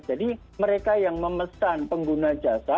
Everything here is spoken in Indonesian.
jadi mereka yang memesan pengguna jasa